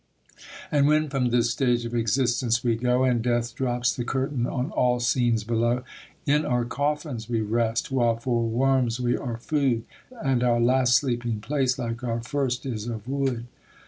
And when from this stage of existence we go, And death drops the curtain on all scenes below, In our coffins we rest, while for worms we are food, And our last sleeping place, like our first, is of wood.